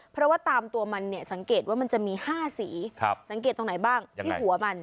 เพราะว่าตามตัวมันเนี่ยสังเกตว่ามันจะมี๕สีสังเกตตรงไหนบ้างที่หัวมัน